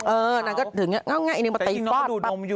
เออนางก็ถืออย่างนี้เอาง่ายนิ่งมาตะอีกปอดปะ